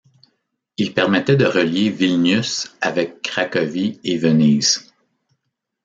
Il permettait de relier Vilnius avec Cracovie et Venise.